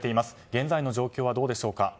現在の状況はどうでしょうか。